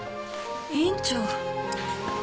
院長。